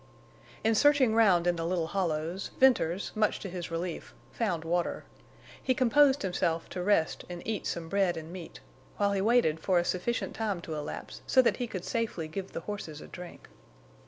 In searching round in the little hollows Venters, much to his relief, found water. He composed himself to rest and eat some bread and meat, while he waited for a sufficient time to elapse so that he could safely give the horses a drink.